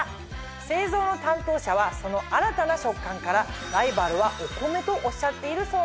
製造の担当者はその新たな食感から「ライバルはお米」とおっしゃっているそうです。